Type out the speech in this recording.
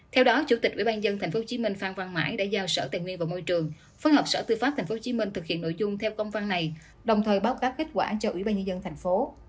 theo đó chủ tịch ủy ban nhân tp hcm phan văn mãi đã giao sở tài nguyên vào môi trường phân hợp sở tư pháp tp hcm thực hiện nội dung theo công phan này đồng thời báo cáp kết quả cho ủy ban nhân dân tp hcm